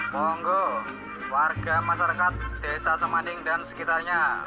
monggo warga masyarakat desa semanding dan sekitarnya